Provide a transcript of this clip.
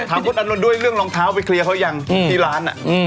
ถามคุณอานนท์ด้วยเรื่องรองเท้าไปเคลียร์เขายังที่ร้าน